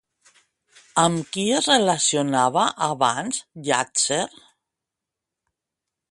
Amb qui es relacionava abans Llàtzer?